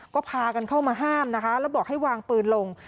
ก็พากันเข้ามาห้ามนะคะแล้วบอกให้วางปืนลง